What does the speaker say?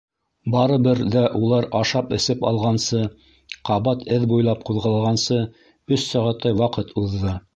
Барыбер ҙә улар ашап-эсеп алғансы, ҡабат эҙ буйлап ҡуҙғалғансы өс сәғәттәй ваҡыт уҙҙы.